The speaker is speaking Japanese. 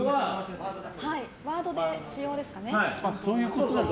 ワードの仕様ですかね。